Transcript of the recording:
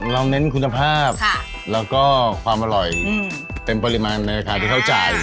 เน้นคุณภาพแล้วก็ความอร่อยเต็มปริมาณในราคาที่เขาจ่าย